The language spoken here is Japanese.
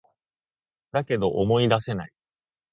だけど、思い出せない